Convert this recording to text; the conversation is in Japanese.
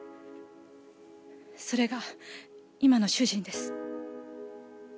それが今の主人です。